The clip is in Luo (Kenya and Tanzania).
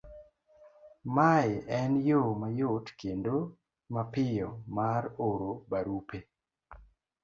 Mae en yo mayot kendo mapiyo mar oro barupe,